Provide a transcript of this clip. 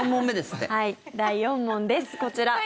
第４問です、こちら。